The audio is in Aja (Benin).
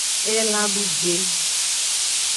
Elan dugbe.